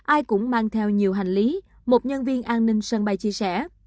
ai cũng mang theo nhiều hành lý một nhân viên an ninh sân bay chia sẻ